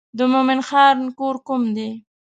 د مومن خان کور کوم دی.